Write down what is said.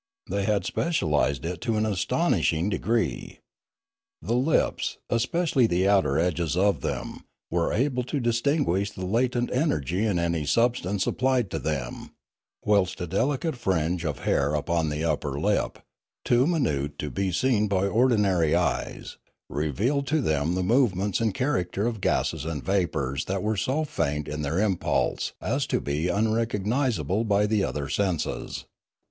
They had specialised it to an astonishing degree. The lips, especially the My Education Continued 281 outer edges of them, were able to distinguish the latent energy in any substance applied to them; whilst a deli cate fringe of hair upon the upper lip, too minute to be seen by ordinary eyes, revealed to them the movements and character of gases and vapours that were so faint in their impulse as to be unrecognisable by the other senses.